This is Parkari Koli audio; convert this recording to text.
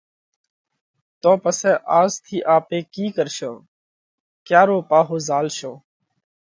تو پسئہ آز ٿِي آپي ڪِي ڪرشون؟ ڪيا رو پاهو زهالشون